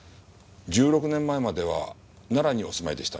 １６年前までは奈良にお住まいでしたね。